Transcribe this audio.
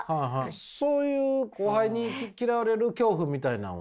そういう後輩に嫌われる恐怖みたいなんは。